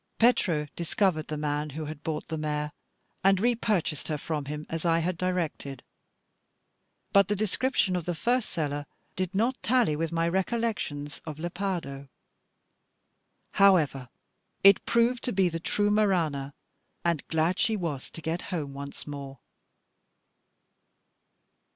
Petro discovered the man who had bought the mare, and re purchased her from him, as I had directed: but the description of the first seller did not tally with my recollections of Lepardo. However, it proved to be the true Marana; and glad she was to get home once more.